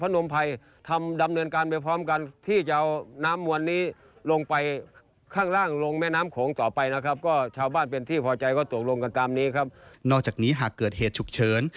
นอกจากนี้หากเกิดเหตุฉุกเฉิน